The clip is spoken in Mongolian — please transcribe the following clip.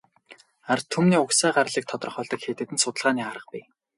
Ард түмний угсаа гарлыг тодорхойлдог хэд хэдэн судалгааны арга бий.